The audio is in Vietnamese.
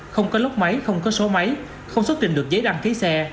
không có lốc máy không có số máy không xuất trình được giấy đăng ký xe